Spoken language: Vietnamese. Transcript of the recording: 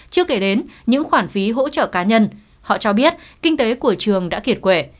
chưa kể đến những khoản phí hỗ trợ cá nhân họ cho biết kinh tế của trường đã kiệt quệ